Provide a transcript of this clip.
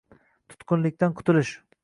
Tutqunlikdan qutulish